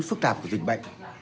phức tạp của dịch bệnh